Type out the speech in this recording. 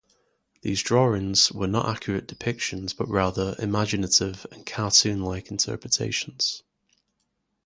These drawings were not accurate depictions but rather imaginative and cartoon-like interpretations.